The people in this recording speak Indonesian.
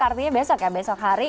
artinya besok ya besok hari